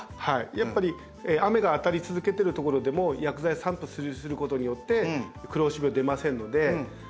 やっぱり雨が当たり続けてる所でも薬剤散布することによって黒星病出ませんので。